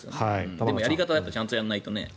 やり方はちゃんとやらないとね。